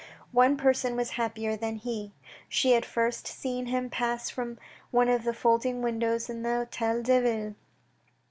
One person was happier than he. She had first seen him pass from one of the folding windows in the Htel deVille.